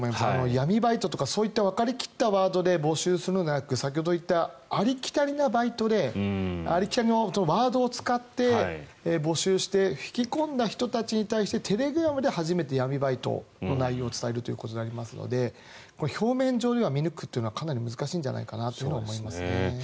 闇バイトとか、そういったわかり切ったワードで募集するのではなく先ほど言ったありきたりなバイトでありきたりのワードを使って募集して引き込んだ人たちに対してテレグラムで初めて闇バイトの内容を伝えるということでありますので表面上で見抜くというのはかなり難しいんじゃないかと思いますね。